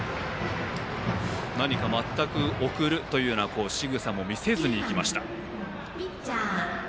何か、全く送るしぐさも見せずにいきました。